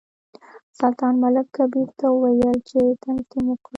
سلطان ملک کبیر ته وویل چې تعظیم وکړه.